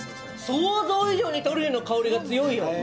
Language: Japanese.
想像以上にトリュフのにおいが強いよ。